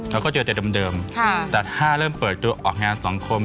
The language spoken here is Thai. เราก็เจอแต่เดิมแต่ถ้าเริ่มเปิดตัวออกงานสังคม